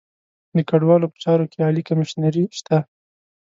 د کډوالو په چارو کې عالي کمیشنري شته.